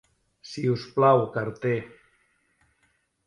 Si us plau, carter.